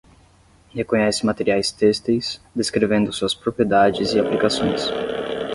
Reconhece materiais têxteis, descrevendo suas propriedades e aplicações.